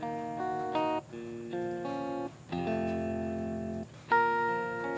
silahkan berhenti berbicara